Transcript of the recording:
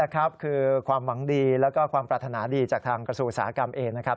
คือความหวังดีแล้วก็ความปรารถนาดีจากทางกระทรวงอุตสาหกรรมเองนะครับ